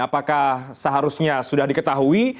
apakah seharusnya sudah diketahui